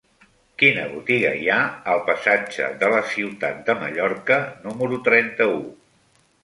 Quina botiga hi ha al passatge de la Ciutat de Mallorca número trenta-u?